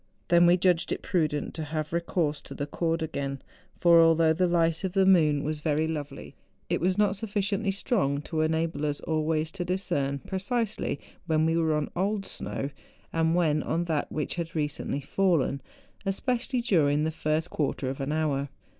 Then we judged it prudent to have recourse to the cord again ; for although the light of the moon was very lovely, it was not sufficiently strong to enable us always to discern precisely when we were on old snow and when on that which had recently fallen, especially during the first quarter of an hour.